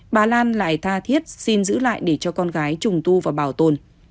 bà lan lại tha thiết xin giữ lại để cho con gái trùng tu và bảo tồn